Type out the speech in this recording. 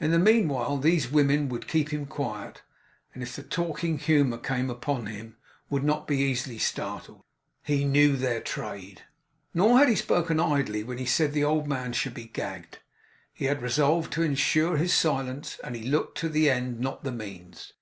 In the meanwhile these women would keep him quiet; and if the talking humour came upon him, would not be easily startled. He knew their trade. Nor had he spoken idly when he said the old man should be gagged. He had resolved to ensure his silence; and he looked to the end, not the means.